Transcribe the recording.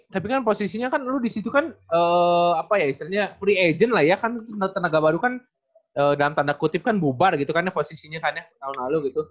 tapi kan posisinya kan lu disitu kan apa ya istilahnya free agent lah ya kan tenaga baru kan dalam tanda kutip kan bubar gitu kan ya posisinya kan ya tahun lalu gitu